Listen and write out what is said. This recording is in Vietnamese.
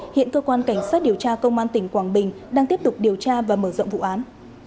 hiện cơ quan cảnh sát điều tra công an tỉnh quảng bình đang tiếp tục điều tra và mở rộng vụ án